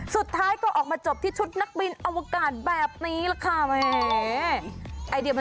สุดท้ายก็ออกมาจบที่ชุดนักบินอวกาศแบบนี้แหละค่ะ